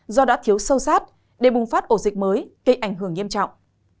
do đã thiếu sâu sát để bùng phát ổ dịch mới gây ảnh hưởng nghiêm trọng